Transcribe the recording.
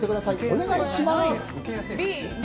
お願いします。